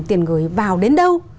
tiền người vào đến đâu